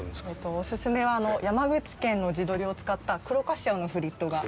オススメは、山口県の地鶏を使った黒かしわのフリットが。